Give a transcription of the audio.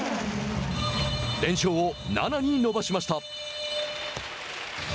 連勝を７に伸ばしました。